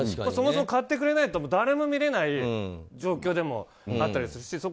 そもそも買ってくれないと誰も見れない状況でもあるし。